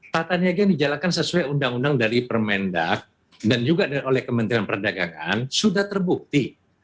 tata niaga yang dijalankan sesuai undang undang dari permendak dan juga oleh kementerian perdagangan sudah terbukti